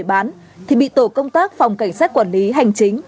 và bị phân ra để bán thì bị tổ công tác phòng cảnh sát quản lý hành chính